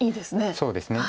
そうですね。